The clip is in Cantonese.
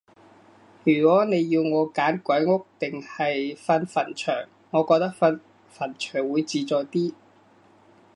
如果你要我揀鬼屋定係瞓墳場，我覺得瞓墳場會自在啲